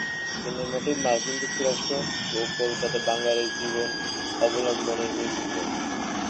সিনেমাটি মার্কিন যুক্তরাষ্ট্র ও কলকাতার বাঙালির জীবন অবলম্বনে নির্মিত।